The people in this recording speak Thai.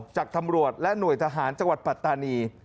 จากตำรวจและหน่วยทหารจังหวัดปัตตานี